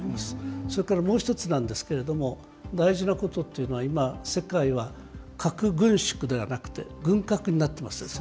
それからもう１つなんですけれども、大事なことっていうのは、今、世界は核軍縮ではなくて、軍拡になってます。